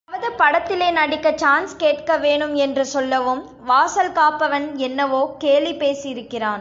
அவள் ஏதாவது படத்திலே நடிக்க சான்ஸ் கேட்கவேணும் என்று சொல்லவும், வாசல் காப்பவன் என்னவோ கேலி பேசியிருக்கிறான்.